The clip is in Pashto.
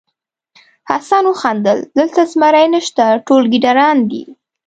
حسن وخندل دلته زمری نشته ټول ګیدړان دي.